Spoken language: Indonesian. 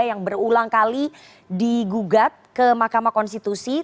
yang berulang kali digugat ke mahkamah konstitusi